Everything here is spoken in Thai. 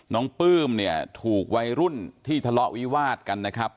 ปลื้มเนี่ยถูกวัยรุ่นที่ทะเลาะวิวาดกันนะครับ